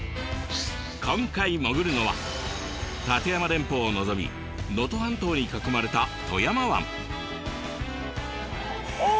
今回潜るのは立山連峰を望み能登半島に囲まれた富山湾。